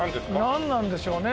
なんなんでしょうね？